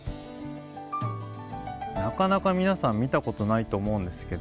なかなか皆さん見たことないと思うんですけど。